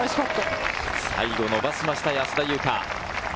最後、伸ばしました安田祐香。